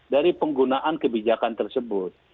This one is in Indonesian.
dari penggunaan kebijakan tersebut